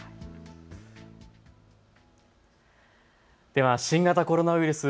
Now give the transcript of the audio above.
では新型コロナウイルス。